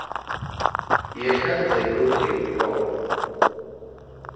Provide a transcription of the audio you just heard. Иахьанӡагь урҭ еиқәтәом.